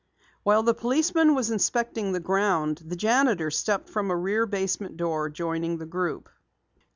While the policeman was inspecting the ground, the janitor stepped from a rear basement door, joining the group.